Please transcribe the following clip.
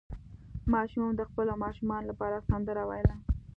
ماشوم د خپلو ماشومانو لپاره سندره ویله.